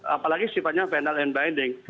apalagi sifatnya final and binding